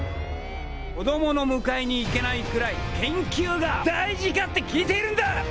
子供の迎えに行けないくらい研究が大事かって聞いているんだ。